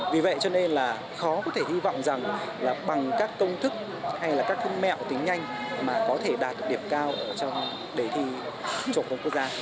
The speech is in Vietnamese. vì vậy cho nên là khó có thể hy vọng rằng là bằng các công thức hay là các thông mẹo tính nhanh mà có thể đạt được điểm cao trong đề thi chủ công quốc gia